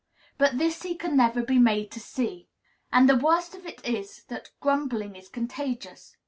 But this he can never be made to see. And the worst of it is that grumbling is contagious.